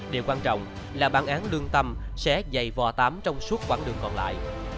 điều quan trọng là bản án lương tâm sẽ dày vò tám trong suốt quãng đường còn lại